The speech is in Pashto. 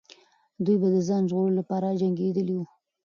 دوی به د ځان ژغورلو لپاره جنګېدلې وو.